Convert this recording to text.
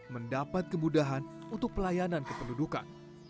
mendapat kemudahan untuk pelayanan kependudukan